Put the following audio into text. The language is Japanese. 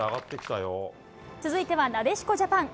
続いてはなでしこジャパン。